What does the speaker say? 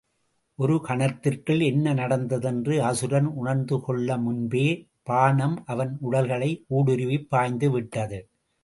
ஒரு கணத்திற்குள், என்ன நடந்த தென்று அசுரன் உணர்ந்துகொள்ளுமுன்பே, பாணம் அவன் உடல்களை ஊடுருவிப் பாய்ந்துவிட்டது!